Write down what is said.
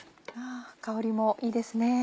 香りもいいですね。